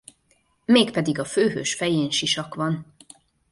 Mégpedig a főhős fején sisak van.